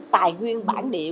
tài nguyên bản địa